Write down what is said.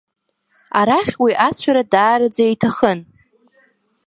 Арахь уи ацәара даараӡа иҭахын.